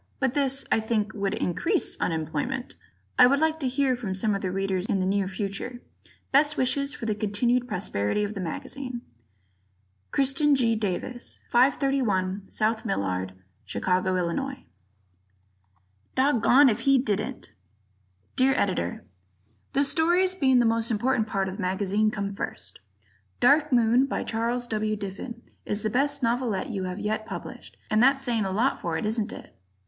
[But this, I think, would increase unemployment! Ed.]. I would like to hear from some of the Readers in the near future. Best wishes for the continued prosperity of the magazine. Christen G. Davis, 531 South Millard, Chicago, Ill. Doggoned If He Didn't! Dear Editor: The stories, being the most important part of the magazine, come first: "Dark Moon," by Charles W. Diffin, is the best novelette you have yet published, and that's saying a lot for it, isn't it?